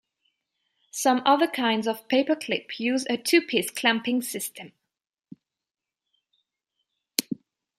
Some other kinds of paper clip use a two-piece clamping system.